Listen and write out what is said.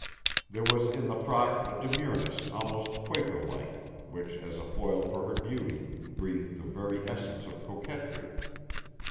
There was in the frock a demureness almost Quaker like which as a foil for her beauty breathed the very essence of coquetry.